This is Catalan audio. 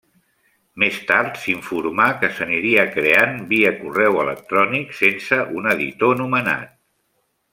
Més tard, s'informà que s'aniria creant via correu electrònic sense un editor nomenat.